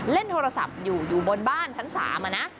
เล่นโทรศัพท์อยู่บนบ้านชั้น๓